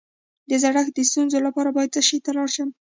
د زړښت د ستونزو لپاره باید چا ته لاړ شم؟